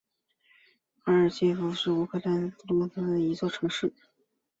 阿尔切夫斯克是乌克兰卢甘斯克州的一座城市。